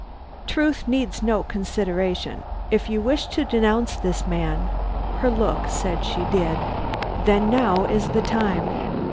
"Truth needs no consideration. If you wish to denounce this man " Her look said she did. "Then now is the time."